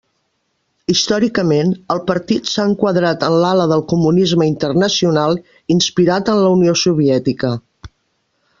Històricament, el partit s'ha enquadrat en l'ala del comunisme internacional inspirat en la Unió Soviètica.